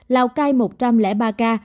lào cai một trăm linh ba ca